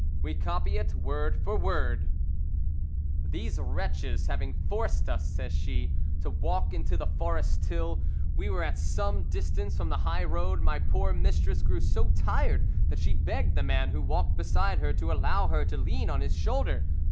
We copy it word for word: "These wretches having forced us," says she, "to walk into the forest till we were at some distance from the high road, my poor mistress grew so tired that she begged the man who walked beside her to allow her to lean on his shoulder.